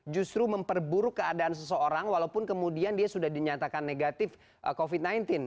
justru memperburuk keadaan seseorang walaupun kemudian dia sudah dinyatakan negatif covid sembilan belas